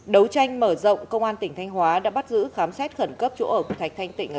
đấu tranh mở rộng công an tỉnh thanh hóa đã bắt giữ khám xét khẩn cấp chỗ ở của thạch thanh tịnh